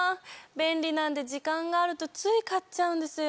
便利なんで時間があるとつい買っちゃうんですよ。